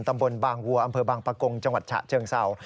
ตำบลบางวัวอำเภอบางปะกงจังหวัดฉะเชิงเศร้า